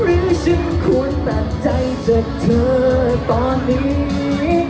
หรือฉันควรตัดใจกับเธอตอนนี้